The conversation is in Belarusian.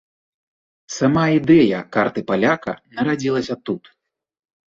Сама ідэя карты паляка нарадзілася тут.